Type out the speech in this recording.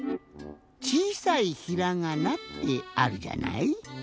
ちいさいひらがなってあるじゃない。